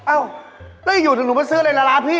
อ้าวแล้วอย่าหยุดถ้าหนูมาซื้ออะไรละละพี่